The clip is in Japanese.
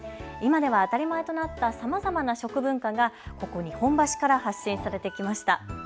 今では当たり前となったさまざまな食文化がここ日本橋から発信されてきました。